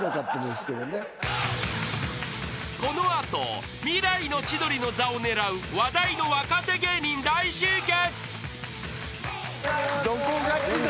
［この後未来の千鳥の座を狙う話題の若手芸人大集結］